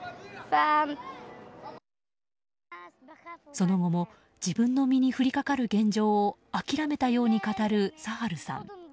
その後も自分の身に降りかかる現状を諦めたように語るサハルさん。